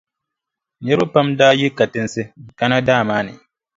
Niriba pam daa yi katinsi n-kana daa maa ni,